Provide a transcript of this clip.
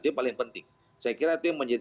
itu paling penting saya kira itu yang menjadi